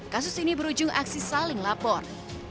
kasus ini berujung aksi saling lapor